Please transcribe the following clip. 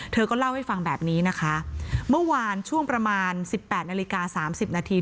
เธอก็เล่าให้ฟังแบบนี้นะคะเมื่อวานช่วงประมาณ๑๘นาฬิกา๓๐นาที